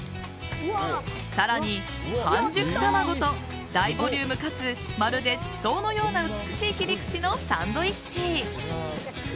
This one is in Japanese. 更に、半熟卵と大ボリュームかつまるで地層のような美しい切り口のサンドイッチ。